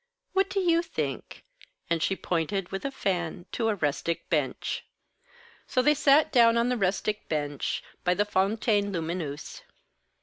What do you think?" And she pointed with a fan to a rustic bench. So they sat down on the rustic bench, by the fontaine lumineuse.